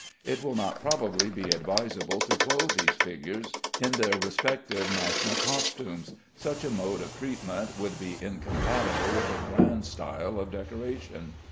It will not probably be advisable to clothe these figures in their respective national costumes; such a mode of treatment would be incompatible with a grand style of decoration.